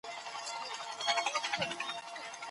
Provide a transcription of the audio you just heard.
چي د اسیا، افریقا او لاتیني امریکا ملتونه ئې.